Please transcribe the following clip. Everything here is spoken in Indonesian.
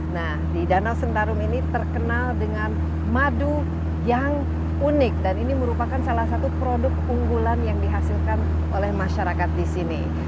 nah di danau sentarum ini terkenal dengan madu yang unik dan ini merupakan salah satu produk unggulan yang dihasilkan oleh masyarakat di sini